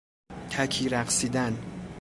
تکی رقصیدن